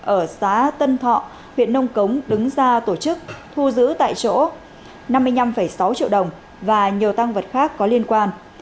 ở xã tân thọ huyện nông cống đứng ra tổ chức thu giữ tại chỗ năm mươi năm sáu triệu đồng và nhiều tăng vật khác có liên quan